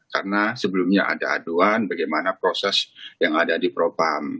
karena sebelumnya ada aduan bagaimana proses yang ada di propam